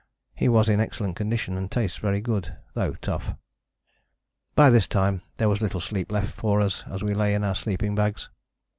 He was in excellent condition and tastes very good, though tough." By this time there was little sleep left for us as we lay in our sleeping bags.